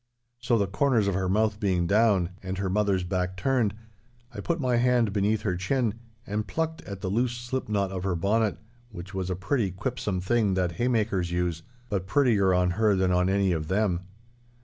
So, the corners of her mouth being down, and her mother's back turned, I put my hand beneath her chin, and plucked at the loose slip knot of her bonnet, which was a pretty quipsome thing that haymakers use, but prettier on her than on any of them.